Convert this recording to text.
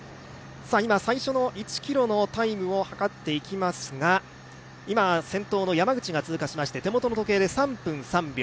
最初の１ｋｍのタイムを測っていきますが、先頭の山口が通過しまして、３分３秒。